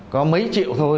có mấy triệu thôi